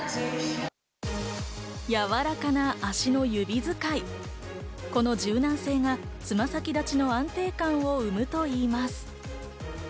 やわらかな足の指使い、この柔軟性がつま先立ちの安定感を生むといいます。